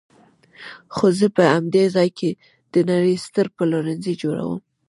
خو زه به په همدې ځای کې د نړۍ ستر پلورنځی جوړوم.